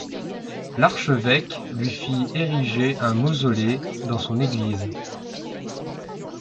L'archevêque lui fit ériger un mausolée dans son église.